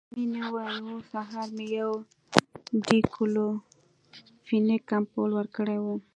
مينې وويل هو سهار مې يو ډيکلوفينک امپول ورکړى و.